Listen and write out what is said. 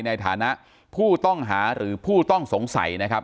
ในฐานะผู้ต้องหาหรือผู้ต้องสงสัยนะครับ